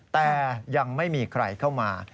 แต่ยังไม่มีใครเข้ามา